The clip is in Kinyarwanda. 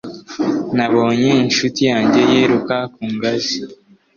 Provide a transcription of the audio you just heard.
Nabonye inshuti yanjye yiruka ku ngazi.